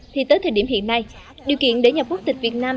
thì tới thời điểm hiện nay điều kiện để nhập quốc tịch việt nam